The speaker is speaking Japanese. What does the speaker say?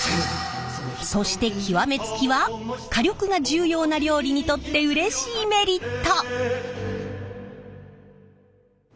そして極め付きは火力が重要な料理にとってうれしいメリット！